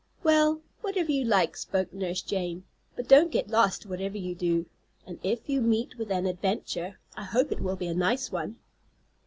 "Well, whatever you like," spoke Nurse Jane. "But don't get lost, whatever you do, and if you meet with an adventure I hope it will be a nice one."